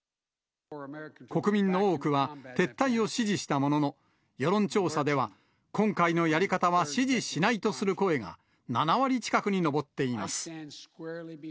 国民の多くは、撤退を支持したものの、世論調査では、今回のやり方は支持しないとする声が、７割近くに上っています。